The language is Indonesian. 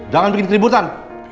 jangan bikin keributan